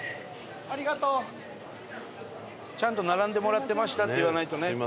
ちゃんと「並んでもらってました」って言わないとね。